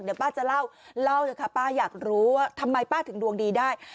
เดี๋ยวป้าจะเล่าเล่าเถอะค่ะป้าอยากรู้ว่าทำไมป้าถึงดวงดีได้